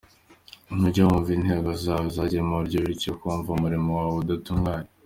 Ntujya wumva Intego zawe zagiye mu buryo byityo ukumva umurimo wawe udatunganye.